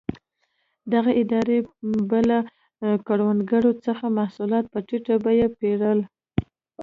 دغې ادارې به له کروندګرو څخه محصولات په ټیټه بیه پېرل.